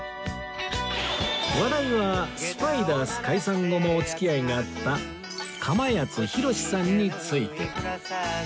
話題はスパイダース解散後もお付き合いがあったかまやつひろしさんについて